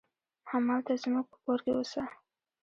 همالته زموږ په کور کې اوسه.